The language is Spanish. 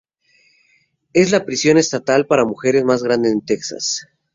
Es la prisión estatal para mujeres más grande en Texas.